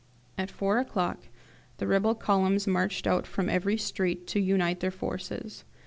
At four o'clock the rebel columns marched out from every street to unite their forces.